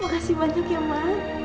makasih banyak ya ma